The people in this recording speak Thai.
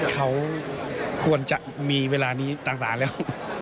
เขาควรจะมีเวลานี้ต่างแล้ว